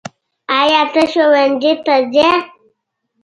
ایا ته ښؤونځي ته څې؟